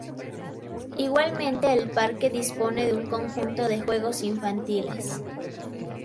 Igualmente el parque dispone de un conjunto de juegos infantiles.